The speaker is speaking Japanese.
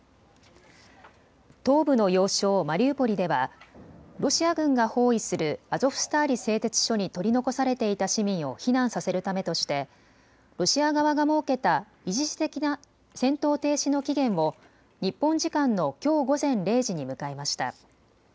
東部の要衝マリウポリではロシア軍が包囲するアゾフスターリ製鉄所に取り残されていた市民を避難させるためとしてロシア側が設けた一時的な戦闘停止の期限を日本時間のきょう午前０時に迎えました。